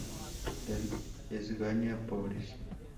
El Esgaña-pobres.